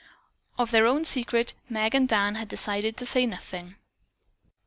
Of their own secret Meg and Dan had decided to say nothing.